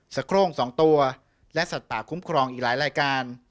โครง๒ตัวและสัตว์ป่าคุ้มครองอีกหลายรายการ